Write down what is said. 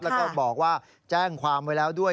แล้วก็บอกว่าแจ้งความไว้แล้วด้วย